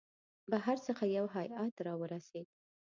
بهر څخه یو هیئات را ورسېد.